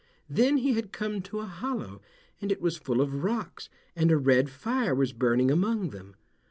Then he had come to a hollow, and it was full of rocks, and a red fire was burning among them.